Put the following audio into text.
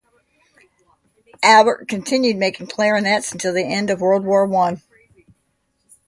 Albert, continued making clarinets until the end of the World War One.